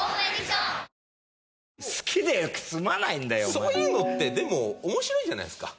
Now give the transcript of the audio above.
そういうのってでも面白いじゃないですか。